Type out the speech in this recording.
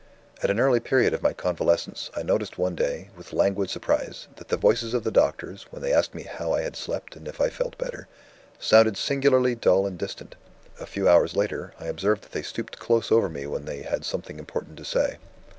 "At an early period of my convalescence, I noticed one day, with languid surprise, that the voices of the doctors, when they asked me how I had slept and if I felt better, sounded singularly dull and distant. A few hours later, I observed that they stooped close over me when they had something important to say.